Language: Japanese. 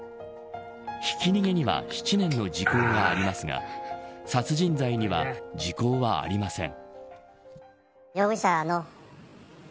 ひき逃げには７年の時効がありますが殺人罪には時効はありません。